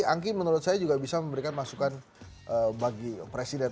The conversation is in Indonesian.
angki menurut saya juga bisa memberikan masukan bagi presiden